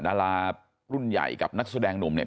ดารารุ่นใหญ่กับนักแสดงหนุ่มเนี่ย